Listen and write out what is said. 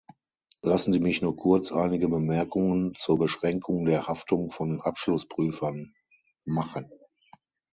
Lassen Sie mich nur kurz einige Bemerkungen zur Beschränkung der Haftung von Abschlussprüfern machen.